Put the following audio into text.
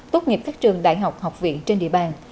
tốt nghiệp các trường đại học học viện trên địa bàn